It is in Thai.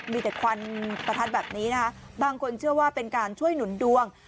มีแต่ควันประทัดแบบนี้นะคะบางคนเชื่อว่าเป็นการช่วยหนุนดวง